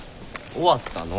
終わったの。